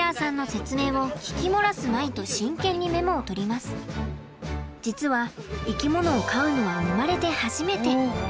実は生き物を飼うのは生まれて初めて。